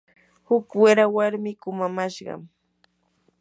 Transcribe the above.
huk wira warmi kumamashqam.